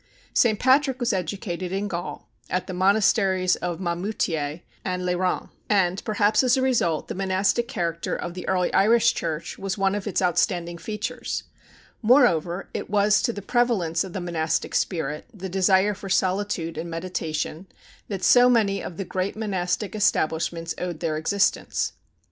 St. Patrick was educated in Gaul, at the monasteries of Marmoutier and Lerins; and, perhaps as a result, the monastic character of the early Irish church was one of its outstanding features; moreover it was to the prevalence of the monastic spirit, the desire for solitude and meditation, that so many of the great monastic establishments owed their existence.